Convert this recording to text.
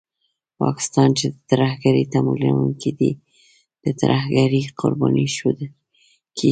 پاکستان چې د ترهګرۍ تمويلوونکی دی، د ترهګرۍ قرباني ښودل کېږي